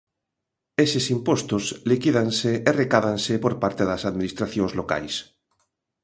Eses impostos liquídanse e recádanse por parte das administracións locais.